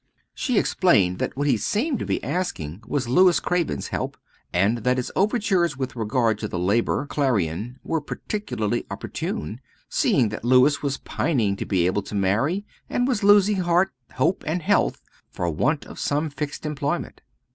She explained that what he seemed to be asking was Louis Craven's help, and that his overtures with regard to the Labour Clarion were particularly opportune, seeing that Louis was pining to be able to marry, and was losing heart, hope, and health for want of some fixed employment.